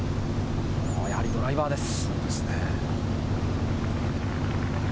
やはりドライバーです。